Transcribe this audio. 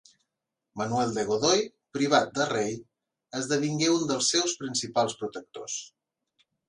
Manuel de Godoy, privat de rei, esdevingué un dels seus principals protectors.